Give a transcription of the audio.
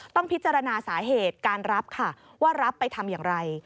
ต้องพิจารณาสาเหตุการรับค่ะว่ารับไปทำอย่างไร